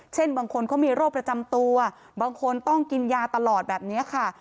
บางคนเขามีโรคประจำตัวบางคนต้องกินยาตลอดแบบนี้ค่ะ